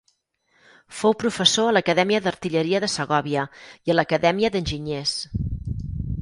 Fou professor a l'Acadèmia d'Artilleria de Segòvia i a l'Acadèmia d'Enginyers.